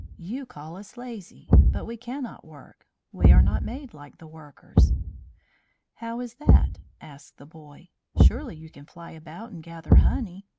"You call us lazy, but we cannot work. We are not made like the workers." "How is that?" asked the boy. "Surely you can fly about and gather honey?